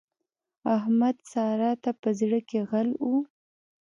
احمد؛ سارا ته په زړ کې غل وو.